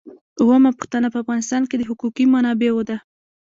اوومه پوښتنه په افغانستان کې د حقوقي منابعو ده.